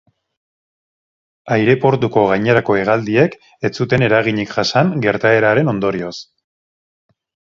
Aireportuko gainerako hegaldiek ez zuten eraginik jasan gertaeraren ondorioz.